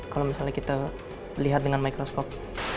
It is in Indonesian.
kalau misalnya kita lihat dengan mikroskop